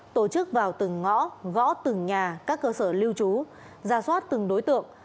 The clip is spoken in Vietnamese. tổ chức vào từng ngõ gõ từng nhà các cơ sở lưu trú ra soát từng đối tượng